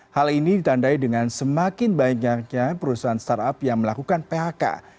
hal ini ditandai dengan semakin banyaknya perusahaan startup yang melakukan phk